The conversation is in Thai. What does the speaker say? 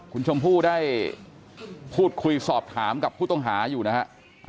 คุณชมพู่ได้พูดคุยสอบถามกับผู้ต้องหาอยู่นะฮะ